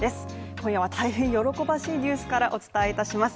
今夜は大変喜ばしいニュースからお伝えします。